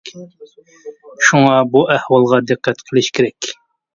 شۇڭا بۇ ئەھۋالغا دىققەت قىلىش كېرەك.